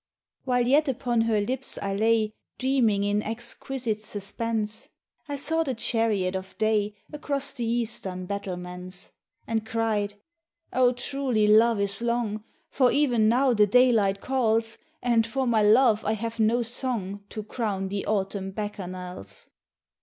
While yet upon her lips I lay Dreaming in exquisite suspense, I saw the chariot of day Across the eastern battlements. And cried, u Oh ! truly love is long, For even now the daylight calls, And for my love I have no song To crown the autumn Bacchanals."